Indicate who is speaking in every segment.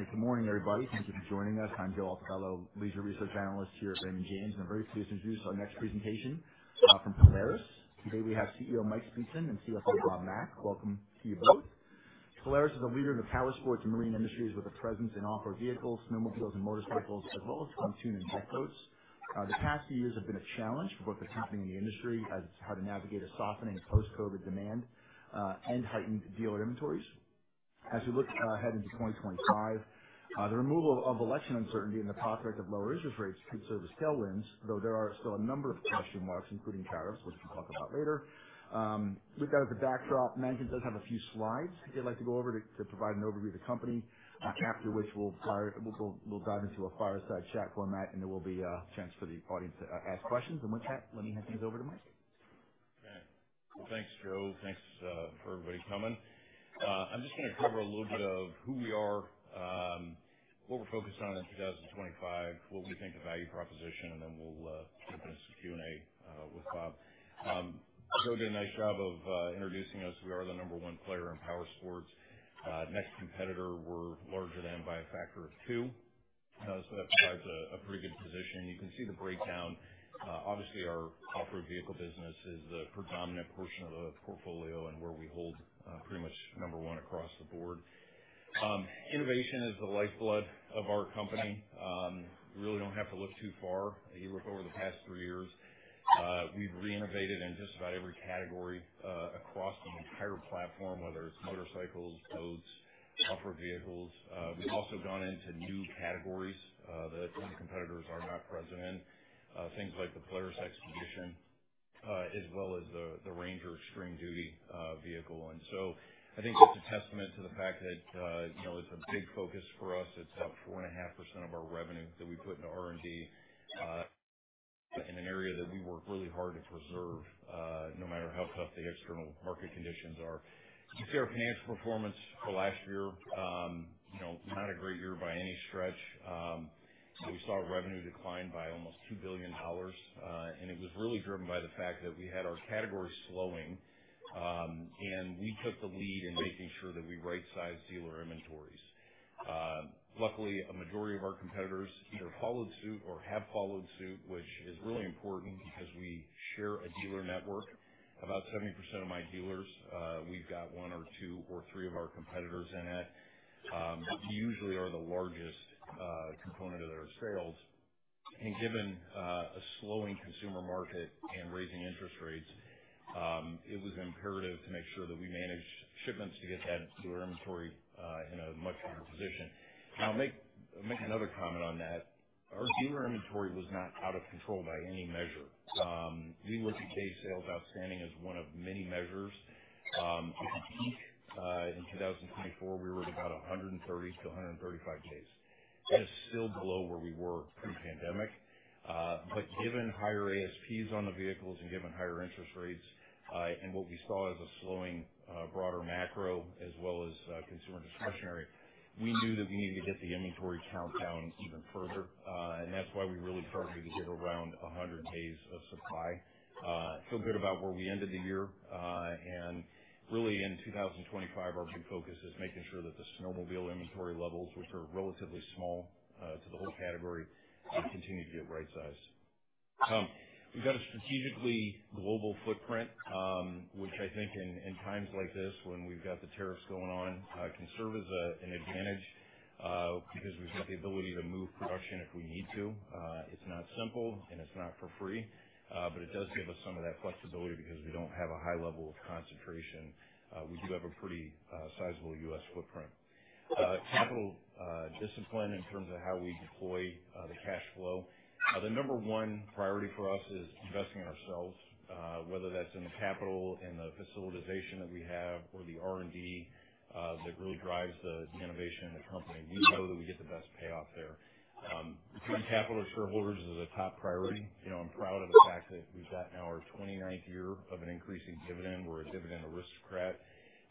Speaker 1: All right. Good morning, everybody. Thank you for joining us. I'm Joe Altobello, leisure research analyst here at Raymond James. And I'm very pleased to introduce our next presentation from Polaris. Today we have CEO Mike Speetzen and CFO Bob Mack. Welcome to you both. Polaris is a leader in the powersports and marine industries with a presence in off-road vehicles, snowmobiles, and motorcycles, as well as pontoon deck boats. The past few years have been a challenge for both the company and the industry as it's had to navigate a softening of post-COVID demand and heightened dealer inventories. As we look ahead into 2025, the removal of election uncertainty and the prospect of lower interest rates could serve as tailwinds, though there are still a number of question marks, including tariffs, which we'll talk about later. With that as a backdrop, Management does have a few slides that they'd like to go over to provide an overview of the company, after which we'll dive into a fireside chat format, and there will be a chance for the audience to ask questions, and with that, let me hand things over to Mike.
Speaker 2: Okay. Well, thanks, Joe. Thanks for everybody coming. I'm just going to cover a little bit of who we are, what we're focused on in 2025, what we think the value proposition, and then we'll jump into some Q&A with Bob. Joe did a nice job of introducing us. We are the number one player in power sports. Next competitor, we're larger than by a factor of two. So that provides a pretty good position. You can see the breakdown. Obviously, our off-road vehicle business is the predominant portion of the portfolio and where we hold pretty much number one across the board. Innovation is the lifeblood of our company. You really don't have to look too far. You look over the past three years, we've re-innovated in just about every category across the entire platform, whether it's motorcycles, boats, off-road vehicles. We've also gone into new categories that some competitors are not present in, things like the Polaris XPEDITION, as well as the Ranger Extreme Duty vehicle, and so I think it's a testament to the fact that it's a big focus for us. It's about 4.5% of our revenue that we put into R&D in an area that we work really hard to preserve, no matter how tough the external market conditions are. You can see our financial performance for last year, not a great year by any stretch. We saw revenue decline by almost $2 billion, and it was really driven by the fact that we had our category slowing, and we took the lead in making sure that we right-sized dealer inventories. Luckily, a majority of our competitors either followed suit or have followed suit, which is really important because we share a dealer network. About 70% of my dealers, we've got one or two or three of our competitors in it. We usually are the largest component of their sales and given a slowing consumer market and rising interest rates, it was imperative to make sure that we managed shipments to get that dealer inventory in a much better position. Now, I'll make another comment on that. Our dealer inventory was not out of control by any measure. We look at days sales outstanding as one of many measures. At the peak in 2024, we were at about 130 to 135 days. That's still below where we were pre-pandemic, but given higher ASPs on the vehicles and given higher interest rates and what we saw as a slowing broader macro as well as consumer discretionary, we knew that we needed to get the inventory count down even further. That's why we really targeted to get around 100 days of supply. I feel good about where we ended the year. Really, in 2025, our big focus is making sure that the snowmobile inventory levels, which are relatively small to the whole category, continue to get right-sized. We've got a strategically global footprint, which I think in times like this, when we've got the tariffs going on, can serve as an advantage because we've got the ability to move production if we need to. It's not simple, and it's not for free, but it does give us some of that flexibility because we don't have a high level of concentration. We do have a pretty sizable U.S. footprint. Capital discipline in terms of how we deploy the cash flow. The number one priority for us is investing in ourselves, whether that's in the capital and the facilities that we have or the R&D that really drives the innovation in the company. We know that we get the best payoff there. Returning capital to shareholders is a top priority. I'm proud of the fact that we've got now our 29th year of an increasing dividend. We're a dividend aristocrat.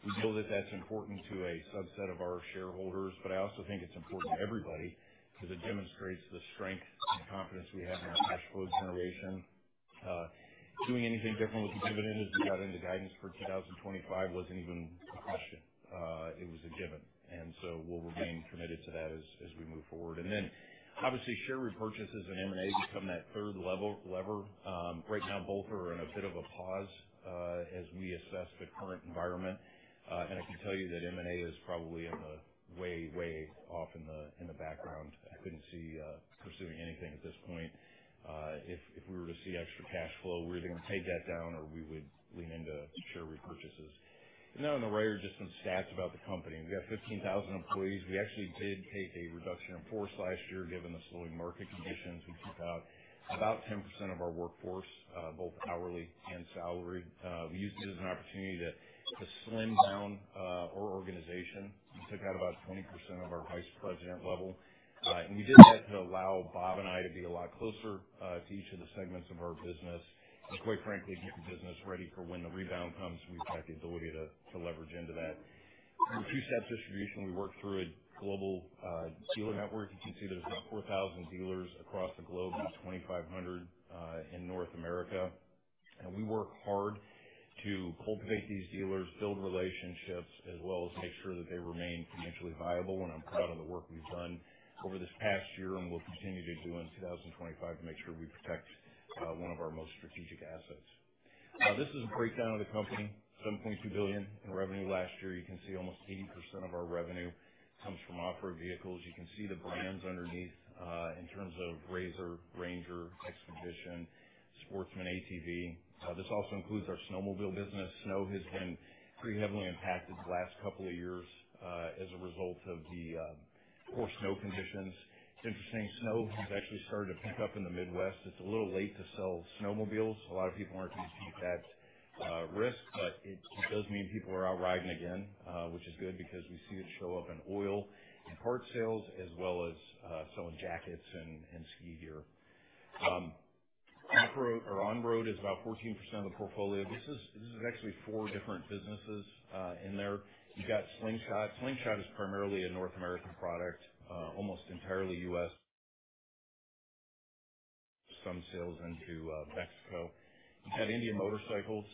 Speaker 2: We know that that's important to a subset of our shareholders, but I also think it's important to everybody because it demonstrates the strength and confidence we have in our cash flow generation. Doing anything different with the dividend as we got into guidance for 2025 wasn't even a question. It was a given, and so we'll remain committed to that as we move forward, and then, obviously, share repurchases and M&A become that third lever. Right now, both are in a bit of a pause as we assess the current environment. And I can tell you that M&A is probably in the way, way off in the background. I couldn't see pursuing anything at this point. If we were to see extra cash flow, we're either going to take that down or we would lean into share repurchases. And now, on the right, are just some stats about the company. We have 15,000 employees. We actually did take a reduction in force last year given the slowing market conditions. We took out about 10% of our workforce, both hourly and salary. We used it as an opportunity to slim down our organization. We took out about 20% of our vice president level. And we did that to allow Bob and I to be a lot closer to each of the segments of our business. And quite frankly, get the business ready for when the rebound comes. We've got the ability to leverage into that. With two-step distribution, we work through a global dealer network. You can see there's about 4,000 dealers across the globe, about 2,500 in North America. And we work hard to cultivate these dealers, build relationships, as well as make sure that they remain financially viable. And I'm proud of the work we've done over this past year and will continue to do in 2025 to make sure we protect one of our most strategic assets. This is a breakdown of the company: $7.2 billion in revenue last year. You can see almost 80% of our revenue comes from off-road vehicles. You can see the brands underneath in terms of RZR, Ranger, XPEDITION, Sportsman, ATV. This also includes our snowmobile business. Snow has been pretty heavily impacted the last couple of years as a result of the poor snow conditions. It's interesting. Snow has actually started to pick up in the Midwest. It's a little late to sell snowmobiles. A lot of people aren't going to take that risk, but it does mean people are out riding again, which is good because we see it show up in oil and part sales, as well as selling jackets and ski gear. Off-road or on-road is about 14% of the portfolio. This is actually four different businesses in there. You've got Slingshot. Slingshot is primarily a North American product, almost entirely U.S. Some sales into Mexico. You've got Indian Motorcycles.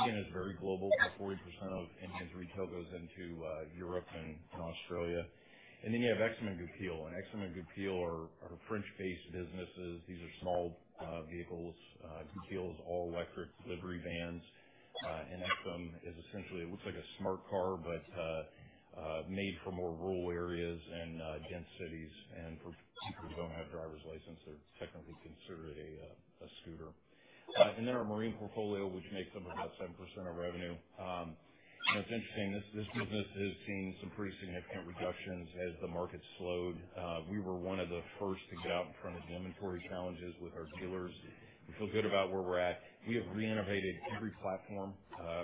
Speaker 2: Indian is very global. About 40% of Indian's retail goes into Europe and Australia. And then you have Aixam & Goupil. And Aixam & Goupil are French-based businesses. These are small vehicles. Goupil is all-electric delivery vans. And Aixam is essentially, it looks like a smart car, but made for more rural areas and dense cities. And for people who don't have driver's license, they're technically considered a scooter. And then our marine portfolio, which makes up about 7% of revenue. And it's interesting. This business has seen some pretty significant reductions as the market slowed. We were one of the first to get out in front of the inventory challenges with our dealers. We feel good about where we're at. We have re-innovated every platform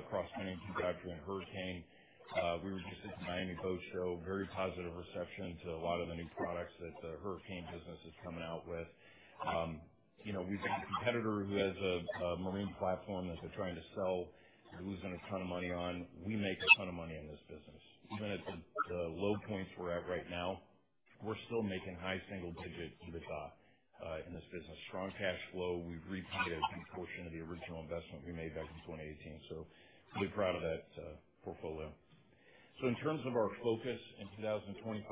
Speaker 2: across many geographies in Hurricane. We were just at the Miami Boat Show. Very positive reception to a lot of the new products that the Hurricane business is coming out with. We've got a competitor who has a marine platform that they're trying to sell, and losing a ton of money on. We make a ton of money in this business. Even at the low points we're at right now, we're still making high single-digit EBITDA in this business. Strong cash flow. We've repaid a good portion of the original investment we made back in 2018. So we're proud of that portfolio. So in terms of our focus in 2025,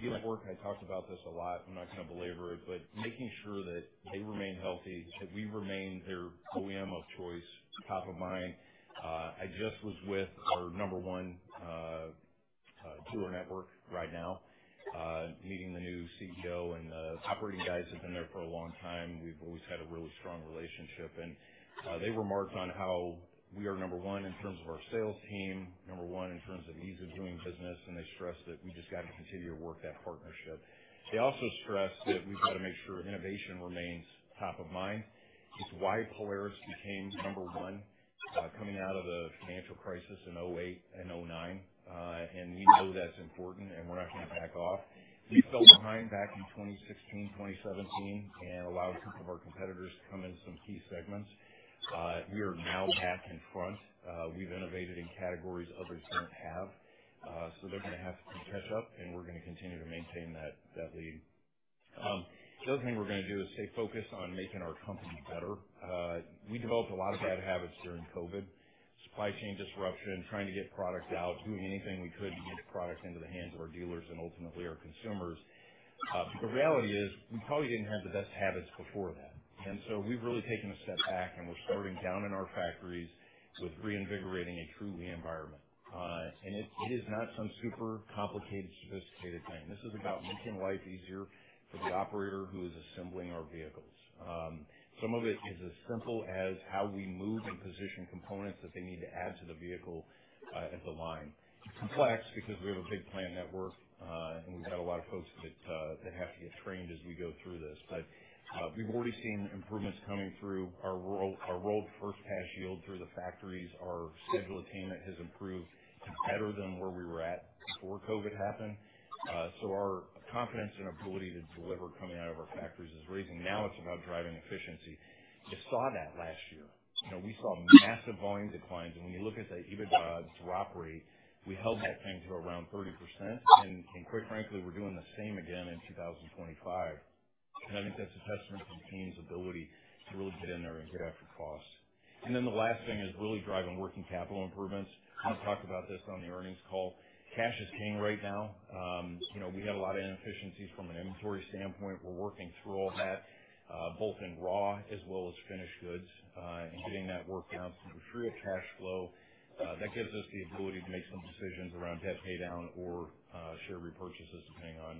Speaker 2: dealer network, I talked about this a lot. I'm not going to belabor it, but making sure that they remain healthy, that we remain their OEM of choice, top of mind. I just was with our number one dealer network right now, meeting the new CEO, and the operating guys have been there for a long time. We've always had a really strong relationship. They remarked on how we are number one in terms of our sales team, number one in terms of ease of doing business, and they stressed that we just got to continue to work that partnership. They also stressed that we've got to make sure innovation remains top of mind. It's why Polaris became number one coming out of the financial crisis in 2008 and 2009. We know that's important, and we're not going to back off. We fell behind back in 2016, 2017, and allowed some of our competitors to come in some key segments. We are now back in front. We've innovated in categories others don't have. They're going to have to catch up, and we're going to continue to maintain that lead. The other thing we're going to do is stay focused on making our company better. We developed a lot of bad habits during COVID: supply chain disruption, trying to get products out, doing anything we could to get products into the hands of our dealers and ultimately our consumers. But the reality is we probably didn't have the best habits before that. And so we've really taken a step back, and we're starting down in our factories with reinvigorating a true lean environment. And it is not some super complicated, sophisticated thing. This is about making life easier for the operator who is assembling our vehicles. Some of it is as simple as how we move and position components that they need to add to the vehicle at the line. It's complex because we have a big plant network, and we've got a lot of folks that have to get trained as we go through this. But we've already seen improvements coming through. Our world-class first-pass yield through the factories. Our schedule attainment has improved to better than where we were at before COVID happened, so our confidence and ability to deliver coming out of our factories is rising. Now it's about driving efficiency. We saw that last year. We saw massive volume declines, and when you look at the EBITDA drop rate, we held that thing to around 30%. And quite frankly, we're doing the same again in 2025, and I think that's a testament to the team's ability to really get in there and get after cost, and then the last thing is really driving working capital improvements. We talked about this on the earnings call. Cash is king right now. We had a lot of inefficiencies from an inventory standpoint. We're working through all that, both in raw as well as finished goods, and getting that worked out to free up cash flow. That gives us the ability to make some decisions around debt paydown or share repurchases, depending on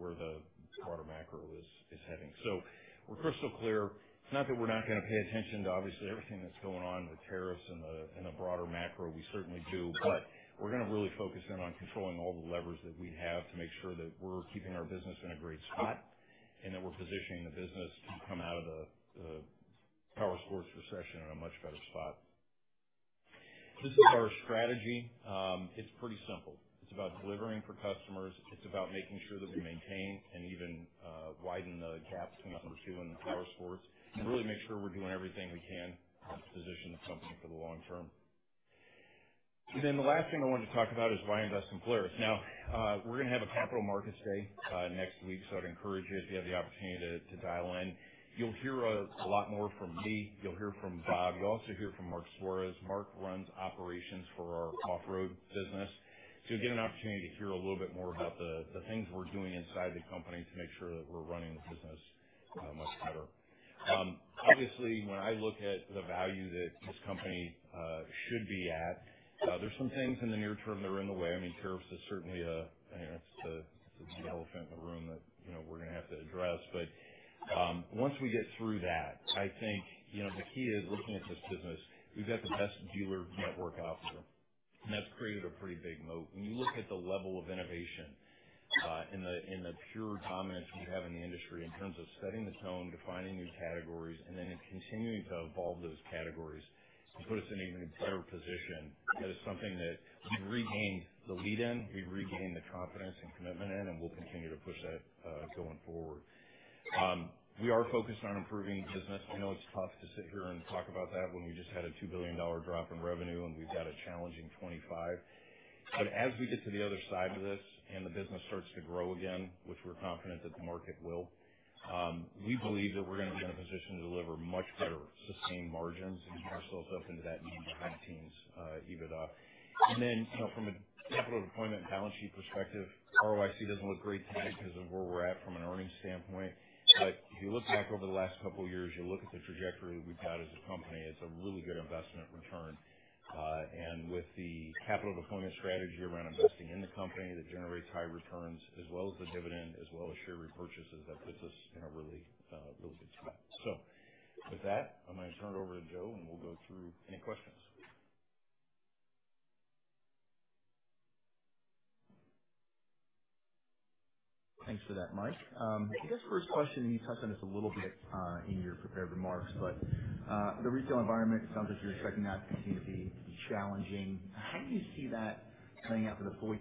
Speaker 2: where the broader macro is heading. So we're crystal clear. It's not that we're not going to pay attention to, obviously, everything that's going on with tariffs and the broader macro. We certainly do. But we're going to really focus in on controlling all the levers that we have to make sure that we're keeping our business in a great spot and that we're positioning the business to come out of the power sports recession in a much better spot. This is our strategy. It's pretty simple. It's about delivering for customers. It's about making sure that we maintain and even widen the gap between number two and the power sports and really make sure we're doing everything we can to position the company for the long term, and then the last thing I wanted to talk about is why invest in Polaris. Now, we're going to have a capital markets day next week, so I'd encourage you, if you have the opportunity to dial in. You'll hear a lot more from me. You'll hear from Bob. You'll also hear from Marc Suarez. Marc runs operations for our off-road business. So you'll get an opportunity to hear a little bit more about the things we're doing inside the company to make sure that we're running the business much better. Obviously, when I look at the value that this company should be at, there's some things in the near term that are in the way. I mean, tariffs are certainly a-I mean, it's a big elephant in the room that we're going to have to address. But once we get through that, I think the key is looking at this business. We've got the best dealer network out there, and that's created a pretty big moat. When you look at the level of innovation and the pure dominance we have in the industry in terms of setting the tone, defining new categories, and then continuing to evolve those categories, it puts us in an even better position. That is something that we've regained the lead in. We've regained the confidence and commitment in, and we'll continue to push that going forward. We are focused on improving business. I know it's tough to sit here and talk about that when we just had a $2 billion drop in revenue, and we've got a challenging '25. But as we get to the other side of this and the business starts to grow again, which we're confident that the market will, we believe that we're going to be in a position to deliver much better sustained margins and get ourselves up into that mid-2020s EBITDA. And then from a capital deployment balance sheet perspective, ROIC doesn't look great today because of where we're at from an earnings standpoint. But if you look back over the last couple of years, you look at the trajectory that we've got as a company, it's a really good investment return. With the capital deployment strategy around investing in the company that generates high returns, as well as the dividend, as well as share repurchases, that puts us in a really, really good spot. So with that, I'm going to turn it over to Joel, and we'll go through any questions.
Speaker 1: Thanks for that, Mike. I guess first question, and you touched on this a little bit in your remarks, but the retail environment, it sounds like you're expecting that to continue to be challenging. How do you see that playing out for the fourth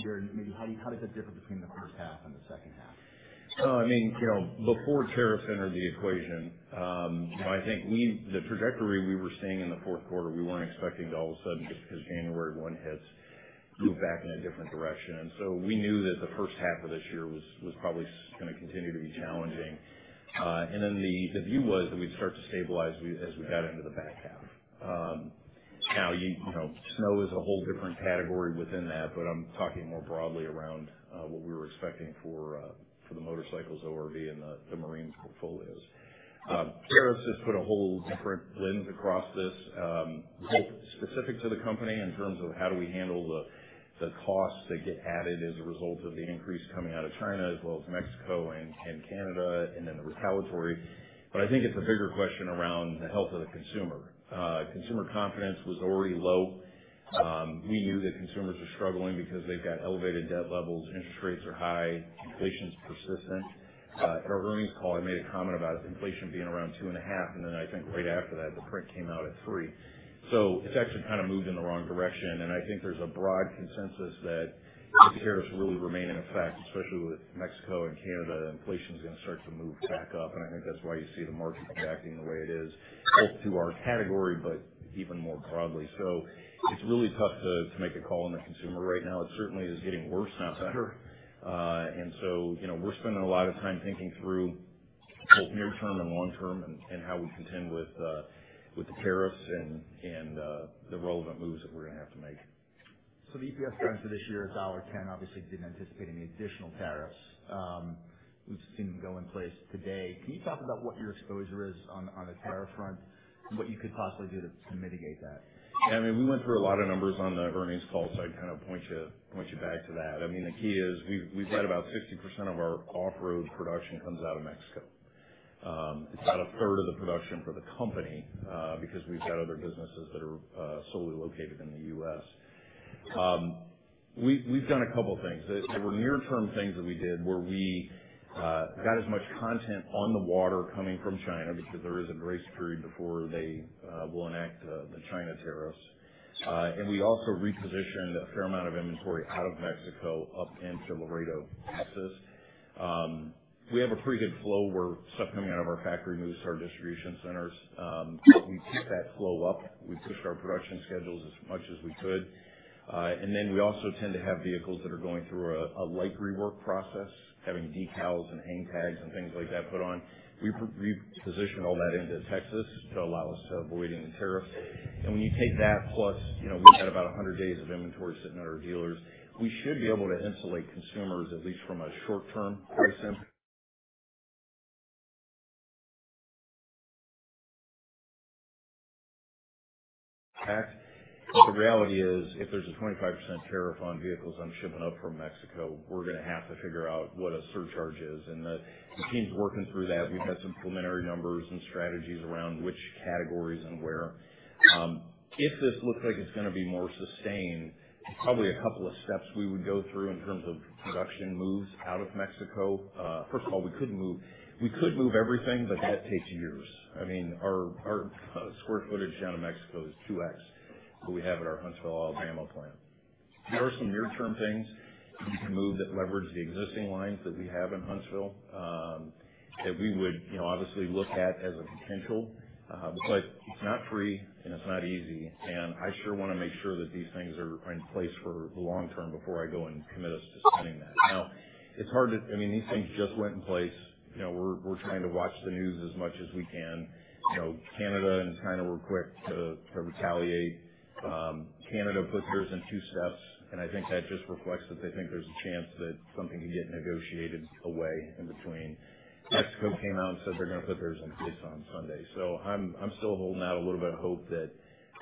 Speaker 1: quarter? Maybe how does it differ between the first half and the second half?
Speaker 2: Oh, I mean, before tariffs entered the equation, I think the trajectory we were seeing in the fourth quarter, we weren't expecting to all of a sudden, just because January 1 hits, move back in a different direction. And so we knew that the first half of this year was probably going to continue to be challenging. And then the view was that we'd start to stabilize as we got into the back half. Now, snow is a whole different category within that, but I'm talking more broadly around what we were expecting for the motorcycles ORV and the marine portfolios. Tariffs just put a whole different lens across this, both specific to the company in terms of how do we handle the costs that get added as a result of the increase coming out of China, as well as Mexico and Canada, and then the retaliatory. But I think it's a bigger question around the health of the consumer. Consumer confidence was already low. We knew that consumers were struggling because they've got elevated debt levels, interest rates are high, inflation's persistent. At our earnings call, I made a comment about inflation being around 2.5, and then I think right after that, the print came out at 3. So it's actually kind of moved in the wrong direction. And I think there's a broad consensus that if tariffs really remain in effect, especially with Mexico and Canada, inflation's going to start to move back up. And I think that's why you see the market reacting the way it is, both to our category but even more broadly. So it's really tough to make a call on the consumer right now. It certainly is getting worse, not better. And so we're spending a lot of time thinking through both near-term and long-term and how we contend with the tariffs and the relevant moves that we're going to have to make.
Speaker 1: So the EPS guidance for this year is $1.10. Obviously, we didn't anticipate any additional tariffs. We've seen them go in place today. Can you talk about what your exposure is on the tariff front and what you could possibly do to mitigate that?
Speaker 2: Yeah. I mean, we went through a lot of numbers on the earnings call, so I'd kind of point you back to that. I mean, the key is we've got about 60% of our off-road production comes out of Mexico. It's about a third of the production for the company because we've got other businesses that are solely located in the U.S. We've done a couple of things. There were near-term things that we did where we got as much content on the water coming from China because there is a grace period before they will enact the China tariffs. And we also repositioned a fair amount of inventory out of Mexico up into Laredo, Texas. We have a pretty good flow where stuff coming out of our factory moves to our distribution centers. We keep that flow up. We pushed our production schedules as much as we could. And then we also tend to have vehicles that are going through a light rework process, having decals and hang tags and things like that put on. We repositioned all that into Texas to allow us to avoid any tariffs. And when you take that, plus we've got about 100 days of inventory sitting at our dealers, we should be able to insulate consumers at least from a short-term price impact. But the reality is, if there's a 25% tariff on vehicles I'm shipping up from Mexico, we're going to have to figure out what a surcharge is. And the team's working through that. We've had some preliminary numbers and strategies around which categories and where. If this looks like it's going to be more sustained, probably a couple of steps we would go through in terms of production moves out of Mexico. First of all, we could move. We could move everything, but that takes years. I mean, our square footage down in Mexico is 2x, but we have it at our Huntsville, Alabama plant. There are some near-term things we can move that leverage the existing lines that we have in Huntsville that we would obviously look at as a potential. But it's not free, and it's not easy. And I sure want to make sure that these things are in place for the long term before I go and commit us to spending that. Now, it's hard to, I mean, these things just went in place. We're trying to watch the news as much as we can. Canada and China were quick to retaliate. Canada put theirs in two steps, and I think that just reflects that they think there's a chance that something could get negotiated away in between. Mexico came out and said they're going to put theirs in place on Sunday, so I'm still holding out a little bit of hope that,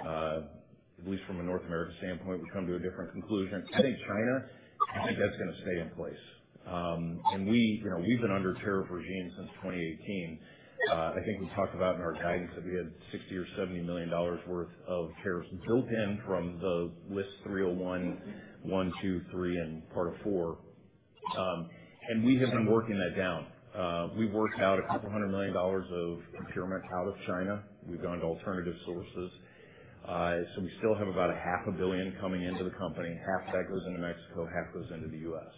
Speaker 2: at least from a North America standpoint, we come to a different conclusion. I think China, I think that's going to stay in place, and we've been under tariff regime since 2018. I think we talked about in our guidance that we had $60 million or $70 million worth of tariffs built in from the list 301, 1, 2, 3, and part 4, and we have been working that down. We've worked out $200 million of procurement out of China. We've gone to alternative sources, so we still have about $500 million coming into the company. Half of that goes into Mexico, half goes into the U.S.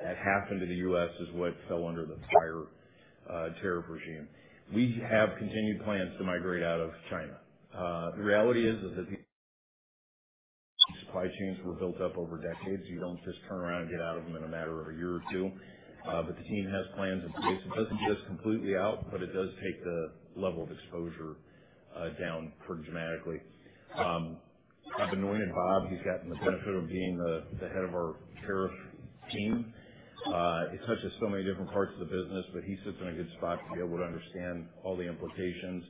Speaker 2: That half into the U.S. is what fell under the prior tariff regime. We have continued plans to migrate out of China. The reality is that the supply chains were built up over decades. You don't just turn around and get out of them in a matter of a year or two, but the team has plans in place. It doesn't just completely out, but it does take the level of exposure down pretty dramatically. I've anointed Bob. He's gotten the benefit of being the head of our tariff team. It touches so many different parts of the business, but he sits in a good spot to be able to understand all the implications.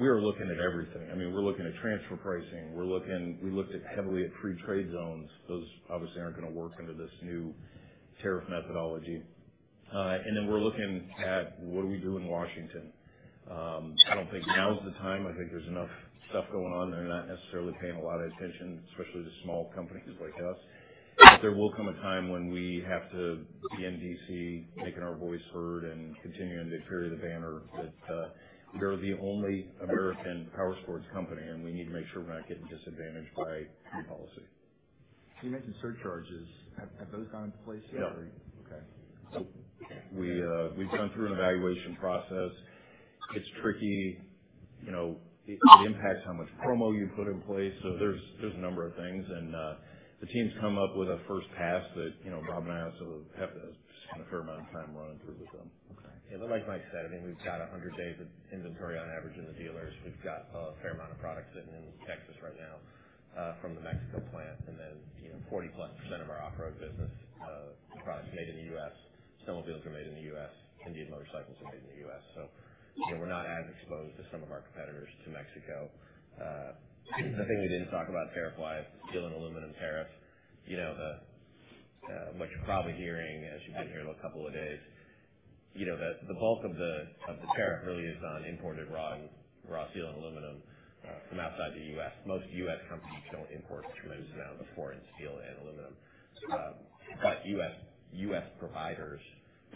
Speaker 2: We are looking at everything. I mean, we're looking at transfer pricing. We looked heavily at free trade zones. Those obviously aren't going to work under this new tariff methodology. And then we're looking at what do we do in Washington. I don't think now's the time. I think there's enough stuff going on. They're not necessarily paying a lot of attention, especially to small companies like us. But there will come a time when we have to be in D.C., making our voice heard, and continuing to carry the banner that we are the only American power sports company, and we need to make sure we're not getting disadvantaged by new policy.
Speaker 1: You mentioned surcharges. Have those gone into place yet?
Speaker 2: No.
Speaker 1: Okay.
Speaker 2: So we've gone through an evaluation process. It's tricky. It impacts how much promo you put in place. So there's a number of things. And the team's come up with a first pass that Bob and I also have spent a fair amount of time running through with them. Okay. Yeah. But like Mike said, I mean, we've got 100 days of inventory on average in the dealers. We've got a fair amount of product sitting in Texas right now from the Mexico plant. And then 40-plus% of our off-road business, the product's made in the U.S. Snowmobiles are made in the U.S. Indian Motorcycles are made in the U.S. So we're not as exposed as some of our competitors to Mexico. The thing we didn't talk about tariff-wise is steel and aluminum tariffs. What you're probably hearing, as you've been here a couple of days, the bulk of the tariff really is on imported raw steel and aluminum from outside the U.S. Most U.S. companies don't import tremendous amounts of foreign steel and aluminum. But U.S. providers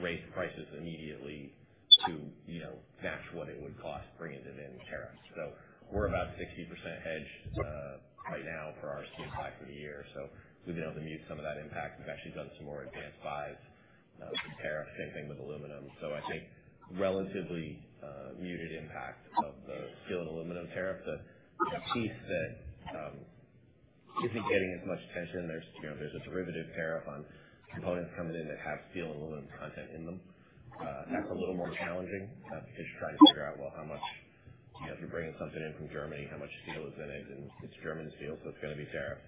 Speaker 2: raised prices immediately to match what it would cost bringing them in tariffs. So we're about 60% hedged right now for our steel pack for the year. So we've been able to mute some of that impact. We've actually done some more advanced buys for tariffs. Same thing with aluminum. So I think relatively muted impact of the steel and aluminum tariff. The piece that isn't getting as much attention, there's a derivative tariff on components coming in that have steel and aluminum content in them. That's a little more challenging because you're trying to figure out, well, how much if you're bringing something in from Germany, how much steel is in it. And it's German steel, so it's going to be tariffed.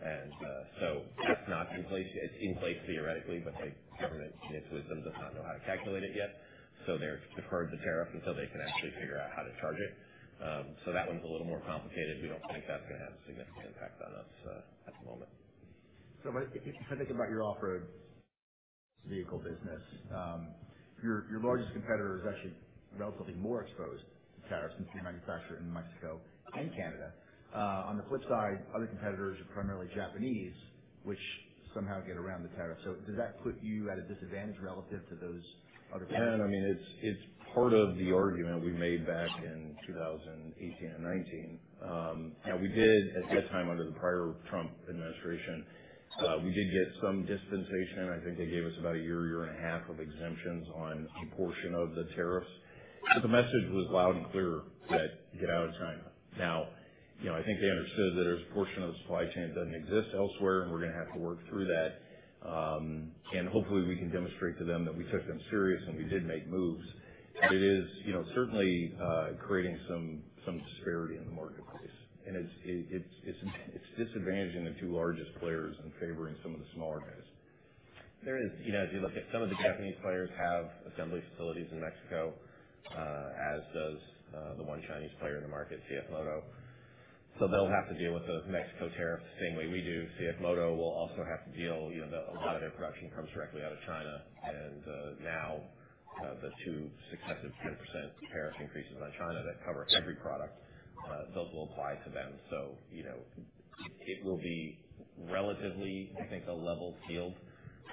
Speaker 2: And so that's not in place. It's in place theoretically, but the government, in its wisdom, does not know how to calculate it yet. So they've deferred the tariff until they can actually figure out how to charge it. So that one's a little more complicated. We don't think that's going to have a significant impact on us at the moment.
Speaker 1: So if you think about your off-road vehicle business, your largest competitor is actually relatively more exposed to tariffs since you're a manufacturer in Mexico and Canada. On the flip side, other competitors are primarily Japanese, which somehow get around the tariff. So does that put you at a disadvantage relative to those other players?
Speaker 2: Yeah. I mean, it's part of the argument we made back in 2018 and 2019. Now, we did, at that time, under the prior Trump administration, we did get some dispensation. I think they gave us about a year, year and a half of exemptions on a portion of the tariffs. But the message was loud and clear that, "Get out of China." Now, I think they understood that there's a portion of the supply chain that doesn't exist elsewhere, and we're going to have to work through that. And hopefully, we can demonstrate to them that we took them serious and we did make moves. But it is certainly creating some disparity in the marketplace. And it's disadvantaging the two largest players and favoring some of the smaller guys. There is, as you look at, some of the Japanese players have assembly facilities in Mexico, as does the one Chinese player in the market, CFMOTO, so they'll have to deal with the Mexico tariff the same way we do. CFMOTO will also have to deal, a lot of their production comes directly out of China, and now, the two successive 10% tariff increases on China that cover every product, those will apply to them, so it will be relatively, I think, a level field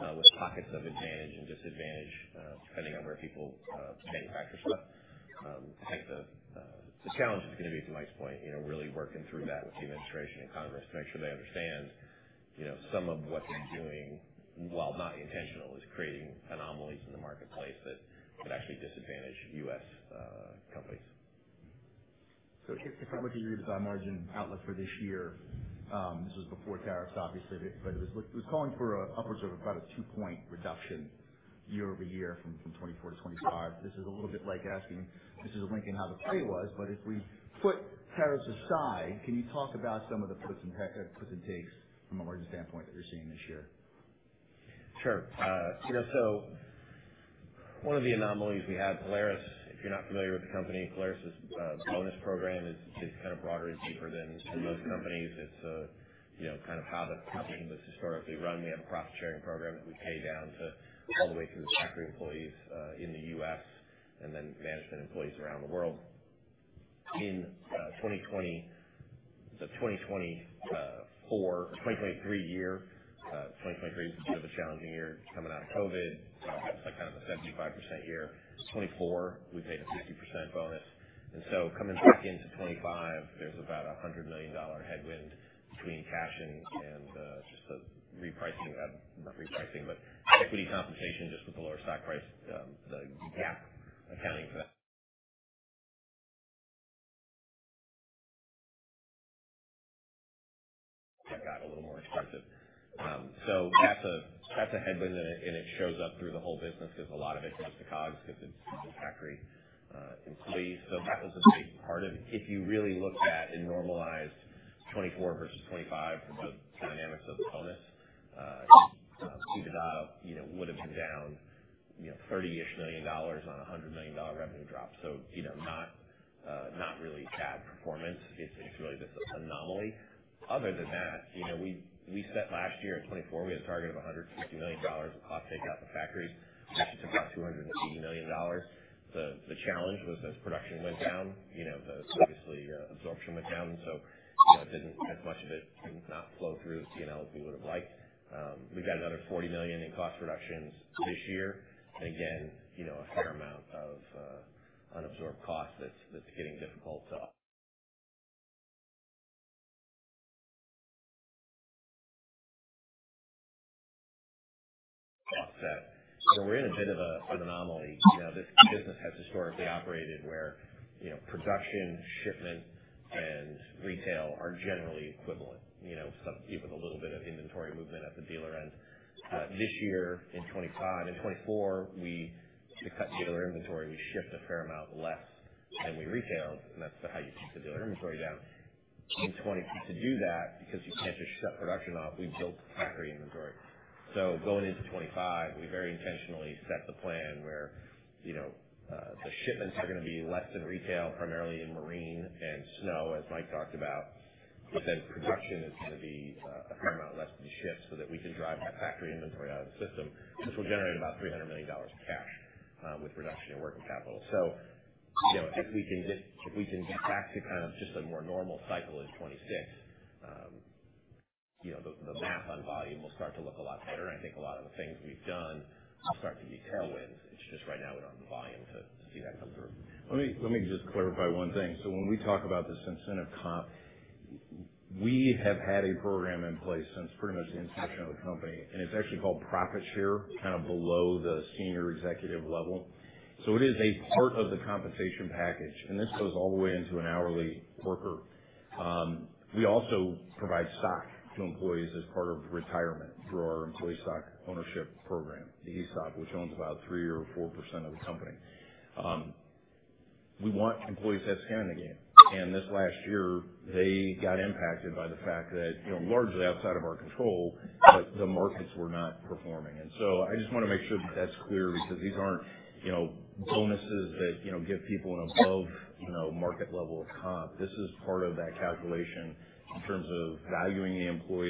Speaker 2: with pockets of advantage and disadvantage depending on where people manufacture stuff. I think the challenge is going to be, to Mike's point, really working through that with the administration and Congress to make sure they understand some of what they're doing, while not intentional, is creating anomalies in the marketplace that could actually disadvantage U.S. companies.
Speaker 1: So if I look at your EBITDA margin outlook for this year, this was before tariffs, obviously, but it was calling for upwards of about a two-point reduction year over year from 2024 to 2025. This is a little bit like asking, "This is akin to how the playbook was, but if we put tariffs aside, can you talk about some of the puts and takes from a margin standpoint that you're seeing this year?"
Speaker 2: Sure. So one of the anomalies we had, Polaris, if you're not familiar with the company, Polaris's bonus program is kind of broader and deeper than most companies. It's kind of how the company was historically run. We have a profit-sharing program that we pay down all the way through the factory employees in the U.S. and then management employees around the world. In 2024 or 2023, the year 2023 is a bit of a challenging year coming out of COVID. It's kind of a 75% year. In 2024, we paid a 50% bonus, and so coming back into 2025, there's about a $100 million headwind between cash and just the repricing, not repricing, but equity compensation just with the lower stock price, the gap accounting for that. That got a little more expensive, so that's a headwind, and it shows up through the whole business because a lot of it goes to COGS because it's factory employees. So that was a big part of it. If you really looked at and normalized 2024 versus 2025 for the dynamics of the bonus, EBITDA would have been down $30-ish million on a $100 million revenue drop, so not really bad performance. It's really this anomaly. Other than that, we set last year in 2024, we had a target of $150 million in cost takeout for factories. We actually took about $280 million. The challenge was as production went down, obviously, absorption went down, and so as much of it did not flow through the P&L as we would have liked. We've got another $40 million in cost reductions this year, and again, a fair amount of unabsorbed cost that's getting difficult to offset, so we're in a bit of an anomaly. This business has historically operated where production, shipment, and retail are generally equivalent, with a little bit of inventory movement at the dealer end. This year, in 2025 and 2024, to cut dealer inventory, we shipped a fair amount less than we retailed, and that's how you keep the dealer inventory down. To do that, because you can't just shut production off, we built factory inventory. So going into 2025, we very intentionally set the plan where the shipments are going to be less than retail, primarily in marine and snow, as Mike talked about. But then production is going to be a fair amount less than shipped so that we can drive that factory inventory out of the system, which will generate about $300 million cash with production and working capital. So if we can get back to kind of just a more normal cycle in 2026, the math on volume will start to look a lot better. And I think a lot of the things we've done will start to be tailwinds. It's just right now we don't have the volume to see that come through. Let me just clarify one thing. So when we talk about this incentive comp, we have had a program in place since pretty much the inception of the company. And it's actually called profit share, kind of below the senior executive level. So it is a part of the compensation package. And this goes all the way into an hourly worker. We also provide stock to employees as part of retirement through our employee stock ownership program, the ESOP, which owns about 3% or 4% of the company. We want employees to have skin in the game. And this last year, they got impacted by the fact that largely outside of our control, but the markets were not performing. And so I just want to make sure that that's clear because these aren't bonuses that give people an above-market level of comp. This is part of that calculation in terms of valuing the employee.